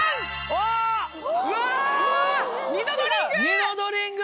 ニノドリング！！！